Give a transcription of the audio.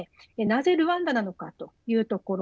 なぜルワンダなのかというところ。